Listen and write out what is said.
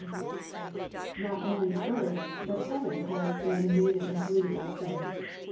Not only earth but heaven has been invaded and polluted by sin (Eph.